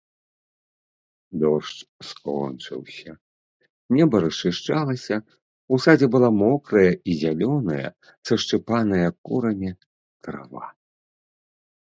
Дождж скончыўся, неба расчышчалася, у садзе была мокрая і зялёная, сашчыпаная курамі трава.